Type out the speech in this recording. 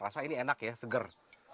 rasa ini enak ya seger